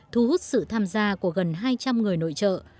thu hút sự tham gia của gần hai trăm linh người nội trợ